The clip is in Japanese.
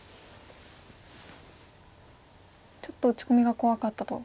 ちょっと打ち込みが怖かったと。